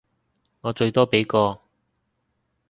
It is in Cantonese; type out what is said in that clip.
我最多畀個